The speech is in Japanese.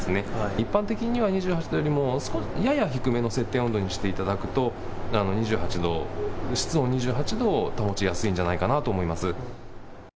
一般的には２８度よりもやや低めの設定温度にしていただくと室温２８度を保ちやすいんじゃないかと。